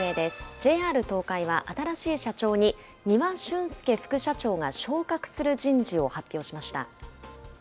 ＪＲ東海は新しい社長に、丹羽俊介副社長が昇格する人事を発表しました。